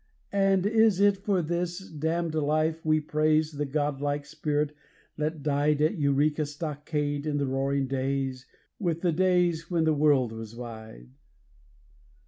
And is it for this damned life we praise the god like spirit that died At Eureka Stockade in the Roaring Days with the days when the world was wide?